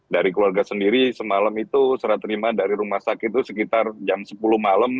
dari keluarga sendiri semalam itu serah terima dari rumah sakit itu sekitar jam sepuluh malam